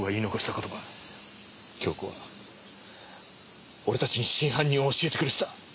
杏子は俺たちに真犯人を教えてくれてた。